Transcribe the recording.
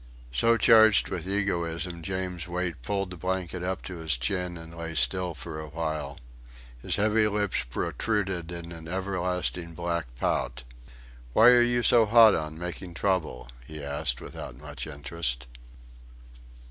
So charged with egoism James Wait pulled the blanket up to his chin and lay still for a while. His heavy lips protruded in an everlasting black pout. "Why are you so hot on making trouble?" he asked without much interest.